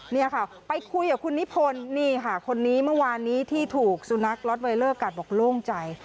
นี่ค่ะไปคุยกับคุณนิพนธ์นี่ค่ะคนนี้เมื่อวานนี้ที่ถูกสุนัขล็อตไวเลอร์กัดบอกโล่งใจ